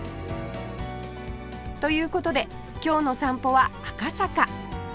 という事で今日の散歩は赤坂